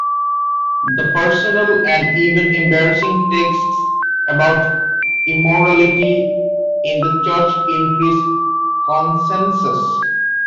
The personal and even embarrassing texts about immorality in the church increase consensus.